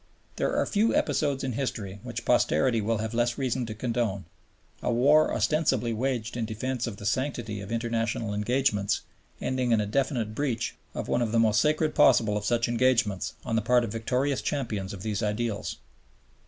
There are few episodes in history which posterity will have less reason to condone, a war ostensibly waged in defense of the sanctity of international engagements ending in a definite breach of one of the most sacred possible of such engagements on the part of victorious champions of these ideals.